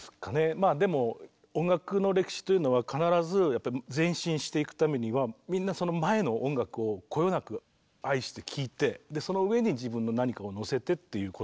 まあでも音楽の歴史というのは必ずやっぱり前進していくためにはみんなその前の音楽をこよなく愛して聴いてその上に自分の何かを乗せてっていうことしかなりえないじゃない。